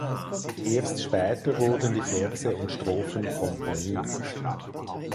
Erst später wurden die Verse und Strophen komponiert.